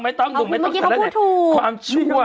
ไม่ต้องไม่ต้องความชั่ว